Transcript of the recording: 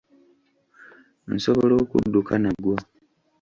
Nsobola okudduka nagwo.